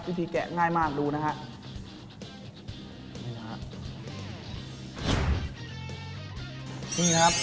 พี่พีชแกะง่ายมากดูนะครับ